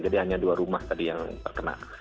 jadi hanya dua rumah tadi yang terkena